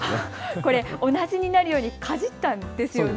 これ同じになるようにかじったんですよね。